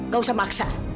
gak usah maksa